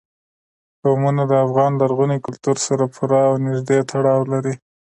قومونه د افغان لرغوني کلتور سره پوره او نږدې تړاو لري.